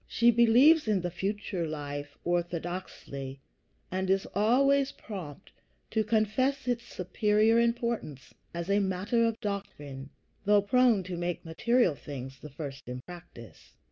She believes in the future life orthodoxly, and is always prompt to confess its superior importance as a matter of doctrine, though prone to make material things the first in practice.